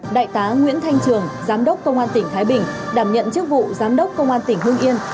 đại tá nguyễn thanh trường giám đốc công an tỉnh thái bình đảm nhận chức vụ giám đốc công an tỉnh hương yên